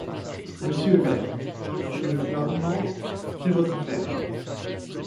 Monsieur le maire, reprit le Flamand, j'ai votre affaire.